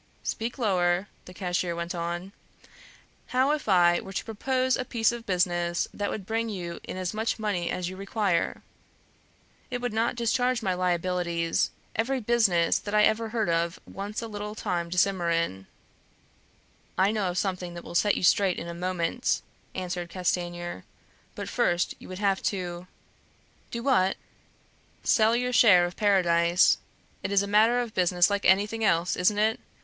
"Speak lower," the cashier went on. "How if I were to propose a piece of business that would bring you in as much money as you require?" "It would not discharge my liabilities; every business that I ever heard of wants a little time to simmer in." "I know of something that will set you straight in a moment," answered Castanier; "but first you would have to " "Do what?" "Sell your share of Paradise. It is a matter of business like anything else, isn't it?